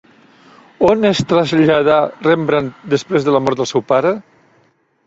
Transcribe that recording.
On es traslladà Rembrandt després de la mort del seu pare?